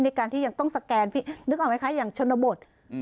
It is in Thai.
ในการที่ยังต้องสแกนพี่นึกออกไหมคะอย่างชนบท